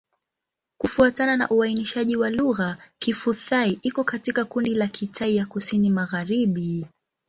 Kufuatana na uainishaji wa lugha, Kiphu-Thai iko katika kundi la Kitai ya Kusini-Magharibi.